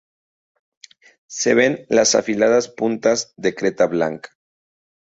Se ven las afiladas puntas de creta blanca.